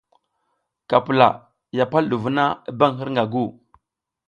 Ka pula, ya pal ɗu vuna i bam hirƞga gu.